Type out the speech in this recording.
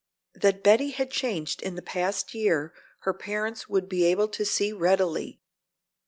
That Betty had changed in the past year, her parents would be able to see readily.